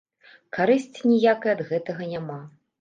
Карысці ніякай ад гэтага няма.